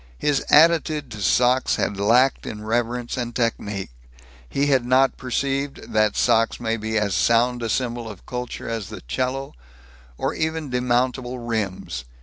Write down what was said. His attitude to socks had lacked in reverence and technique. He had not perceived that socks may be as sound a symbol of culture as the 'cello or even demountable rims.